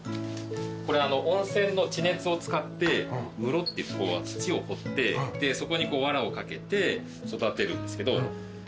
これ温泉の地熱を使って室ってこう土を掘ってそこにわらを掛けて育てるんですけど。